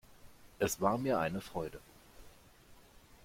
Es war mir eine Freude.